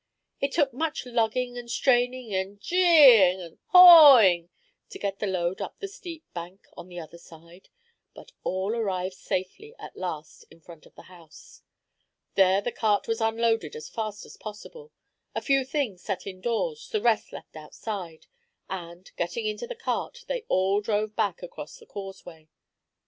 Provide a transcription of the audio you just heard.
It took much lugging and straining and "gee" ing and "haw" ing to get the load up the steep bank on the other side; but all arrived safely at last in front of the house. There the cart was unloaded as fast as possible, a few things set indoors, the rest left outside, and, getting into the cart, they all drove back across the causeway.